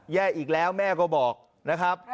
แย่อีกแล้วแม่ก็บอกนะครับ